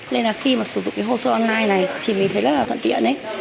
nên là khi mà sử dụng cái hồ sơ online này thì mình thấy rất là thuận tiện